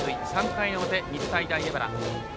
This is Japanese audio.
３回の表、日体大荏原。